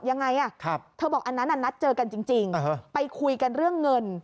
ยังไงเธอบอกอันนั้นนัดเจอกันจริงไปคุยกันเรื่องเงิน